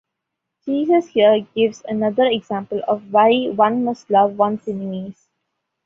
Jesus here gives another example of why one must love one's enemies.